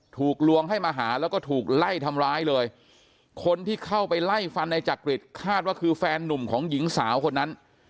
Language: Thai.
ถูกลวงให้มาหาแล้วก็ถูกไล่ทำร้ายเลยคนที่เข้าไปไล่ฟันในจักริตคาดว่าคือแฟนนุ่มของหญิงสาวคนนั้น